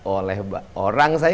oleh orang saya